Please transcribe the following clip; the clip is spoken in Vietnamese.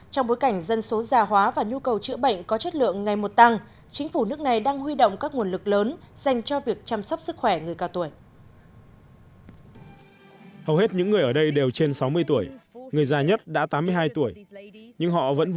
trong bối cảnh dân số già hóa và nhu cầu chữa bệnh có chất lượng ngày một tăng